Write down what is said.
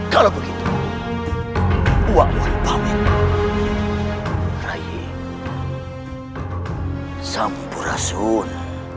kalau begitu uwa akan memperbaiki raya sampurasun